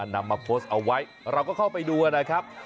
นำมาโพสต์เอาไว้เราก็เข้าไปดูนะครับ